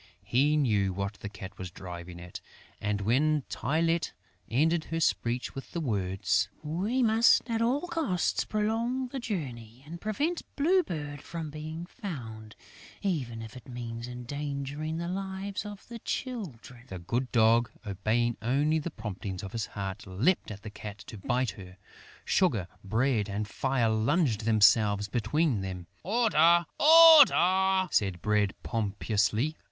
He well knew what the Cat was driving at; and, when Tylette ended her speech with the words, "We must at all costs prolong the journey and prevent Blue Bird from being found, even if it means endangering the lives of the Children," the good Dog, obeying only the promptings of his heart, leapt at the Cat to bite her. Sugar, Bread and Fire flung themselves between them: "Order! Order!" said Bread pompously.